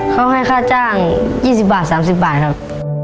เขาให้ค่าจ้าง๒๐บาท๓๐บาทครับ